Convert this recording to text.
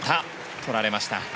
取られました。